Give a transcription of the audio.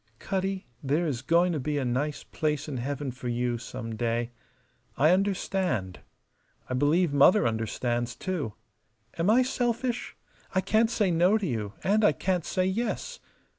"Cutty, there is going to be a nice place in heaven for you some day. I understand. I believe Mother understands, too. Am I selfish? I can't say No to you and I can't say Yes.